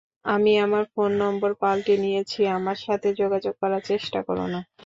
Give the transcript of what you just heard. আমি আমার phone number পাল্টে নিয়েছি আমার সাথে যোগাযোগ করার চেষ্টা করো না।